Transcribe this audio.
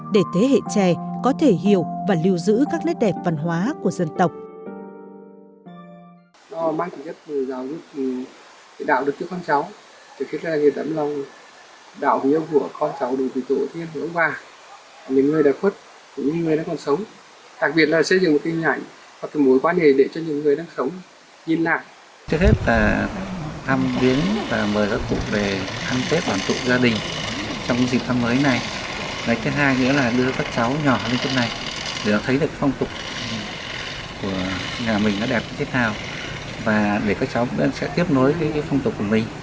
để thế hệ trẻ có thể hiểu và lưu giữ các nét đẹp văn hóa của dân tộc